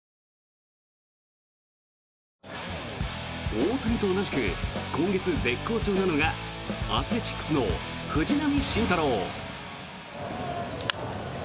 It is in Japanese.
大谷と同じく今月絶好調なのがアスレチックスの藤浪晋太郎。